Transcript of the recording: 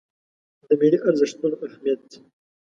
د ملي ارزښتونو اهمیت